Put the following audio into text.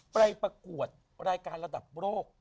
ประกวดรายการระดับโลก